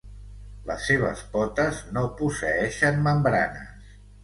Les seves potes no posseeixen membranes.